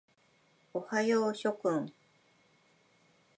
おはよう諸君。